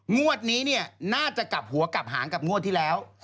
งวดนี้เนี่ยน่าจะกลับหัวกลับหางกับงวดที่แล้ว